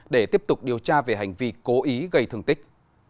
để tiếp tục điều tra về hành vi cố ý gây thương tích